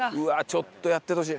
ちょっとやっててほしい。